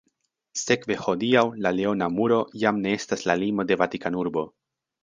Sekve hodiaŭ la leona muro jam ne estas la limo de Vatikanurbo.